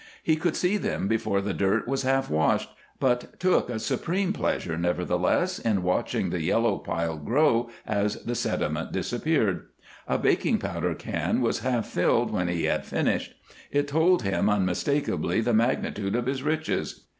He could see them before the dirt was half washed, but took a supreme pleasure, nevertheless, in watching the yellow pile grow as the sediment disappeared. A baking powder can was half filled when he had finished; it told him unmistakably the magnitude of his riches.